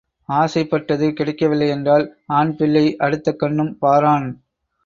ஆசைப்பட்டது கிடைக்கவில்லையென்றால் ஆண்பிள்ளை அடுத்த கண்ணும் பாரான்.